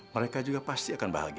mereka juga pasti akan bahagia